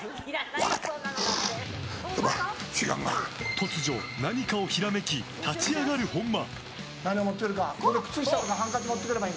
突如、何かをひらめき立ち上がる本間。